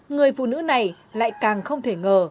người phụ nữ này lại càng không thể ngờ